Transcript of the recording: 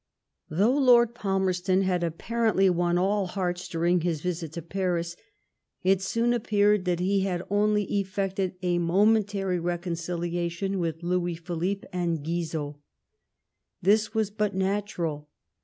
Though Lord Falmerston had apparently won all hearts daring his visit to Paris, it soon appeared that he had only effected a momentary reconciliation with Louis Philippe and Guizot. This was but natural.